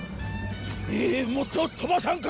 ええいもっと飛ばさんか！